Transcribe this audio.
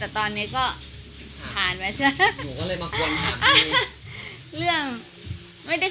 แต่ตอนนี้ก็ผ่านมาใช่ไม่